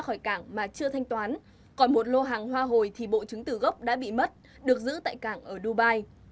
ra khỏi cảng mà chưa thanh toán còn một lô hàng hoa hồi thì bộ chứng từ gốc đã bị mất được giữ tại cảng ở dubai